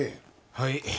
はい。